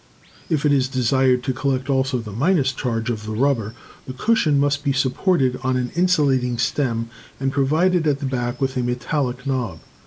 If it is desired to collect also the — charge of the rubber, the cushion must be supported on an insulating stem and provided at the back with a metallic knob.